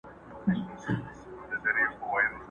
چي د توپان په زړه کي څو سېلۍ د زور پاته دي٫